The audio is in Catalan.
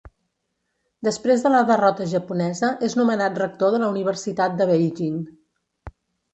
Després de la derrota japonesa és nomenat rector de la Universitat de Beijing.